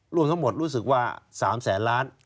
รวมทั้งหมดรู้สึกว่า๓แสนล้าน